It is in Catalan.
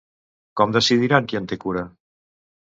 Com decidiran qui en té cura?